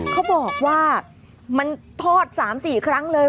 เขาบอกว่ามันทอด๓๔ครั้งเลย